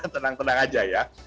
tenang tenang saja ya